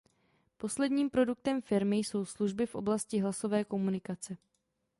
Posledním produktem firmy jsou služby v oblasti hlasové komunikace.